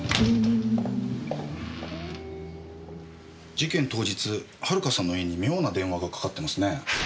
事件当日遥さんの家に妙な電話がかかってますね。